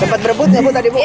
sempat berebut ya bu tadi bu